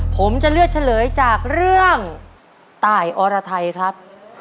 ผมจะเลือกเฉลยจากเรื่องตายอรไทยครับ